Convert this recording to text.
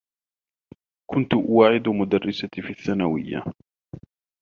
كنت أواعد مدرّستي في الثّانويّة.